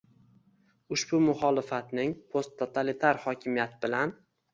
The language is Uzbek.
Ushbu “muxolifatning” posttotalitar hokimiyat bilan